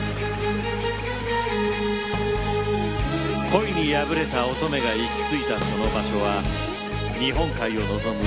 恋に破れた乙女が行き着いたその場所は日本海を望む